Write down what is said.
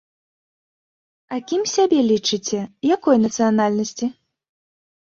А кім сябе лічыце, якой нацыянальнасці?